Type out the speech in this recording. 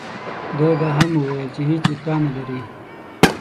ده دا هم وویل چې هېڅ اطلاع نه لري.